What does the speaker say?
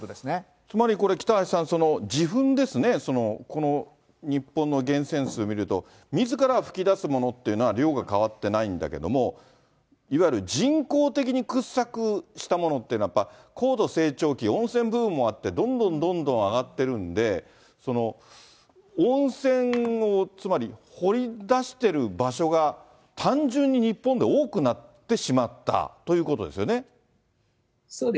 つまりこれ、北橋さん、自噴ですね、この日本の源泉数を見ると、みずから噴き出すものっていうのは量が変わってないんだけども、いわゆる人工的に掘削したものっていうのは、やっぱ高度成長期、温泉ブームもあって、どんどんどんどん上がってるんで、温泉をつまり掘り出してる場所が単純に日本で多くなってしまったそうですね。